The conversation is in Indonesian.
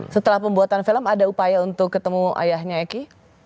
setelah pembuatan film ada upaya untuk ketemu ayahnya eki